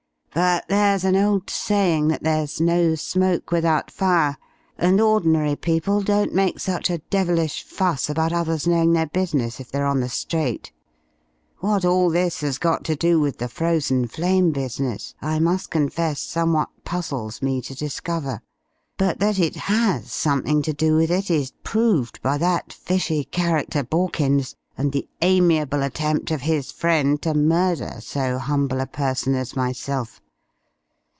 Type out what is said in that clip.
"But there's an old saying, that there's no smoke without fire, and ordinary people don't make such a devilish fuss about others knowing their business if they're on the straight. What all this has got to do with the 'Frozen Flame' business I must confess somewhat puzzles me to discover. But that it has something to do with it is proved by that fishy character Borkins, and the amiable attempt of his friend to murder so humble a person as myself.